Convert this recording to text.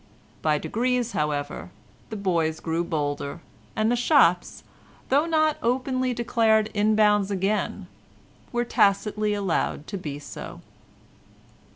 By degrees, however, the boys grew bolder, and the shops, though not openly declared in bounds again, were tacitly allowed to be so.